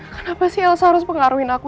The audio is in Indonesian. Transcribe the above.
kenapa sih elsa harus pengaruhin aku